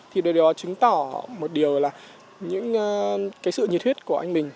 thì điều đó chứng tỏ một điều là những cái sự nhiệt huyết của anh mình